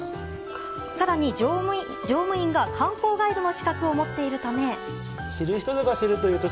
更に、乗務員が観光ガイドの資格を持っているため。